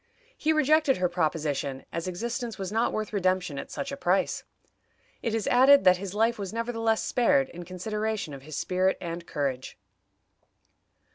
He rejected her proposition, as existence was not worth redemption at such a price. It is added that his life was nevertheless spared, in consideration of his spirit and courage.